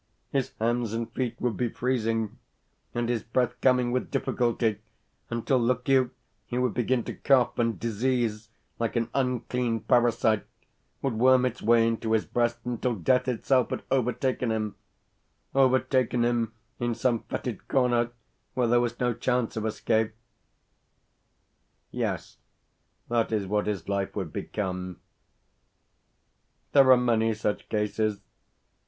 His hands and feet would be freezing, and his breath coming with difficulty; until, look you, he would begin to cough, and disease, like an unclean parasite, would worm its way into his breast until death itself had overtaken him overtaken him in some foetid corner whence there was no chance of escape. Yes, that is what his life would become. There are many such cases.